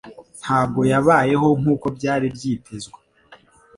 Ntabwo yabayeho nkuko byari byitezwe.